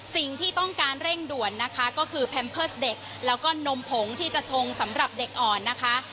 สิ่งที่ต้องการเร่งด่วนนะคะก็คือแพมเพิร์สเด็กแล้วก็นมผงที่จะชงสำหรับเด็กอ่อนนะคะ